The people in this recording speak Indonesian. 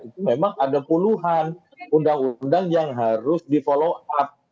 itu memang ada puluhan undang undang yang harus di follow up